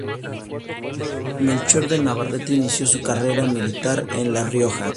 Melchor de Navarrete inició su carrera militar en La Rioja.